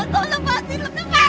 tolong mbak tolong lepaskan lepaskan